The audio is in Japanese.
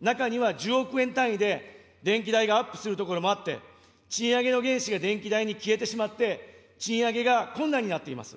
中には１０億円単位で電気代がアップする所もあって、賃上げの原資が電気代に消えてしまって、賃上げが困難になっています。